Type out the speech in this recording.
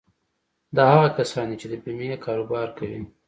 دا هغه کسان دي چې د بيمې کاروبار کوي.